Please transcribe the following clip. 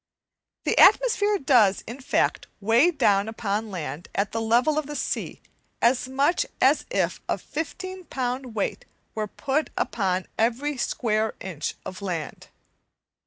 The atmosphere does, in fact, weigh down upon land at the level of the sea as much as if a 15 pound weight were put upon every square inch of land.